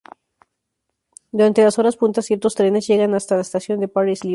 Durante las horas puntas ciertos trenes llegan hasta la estación de Paris-Lyon.